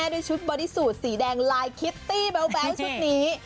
ด้วยชุดบอดี้สูตรสีแดงลายคิตตี้แบ๊วชุดนี้